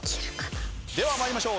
では参りましょう。